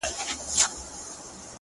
هره تېروتنه د پوهې سرچینه کېدای شي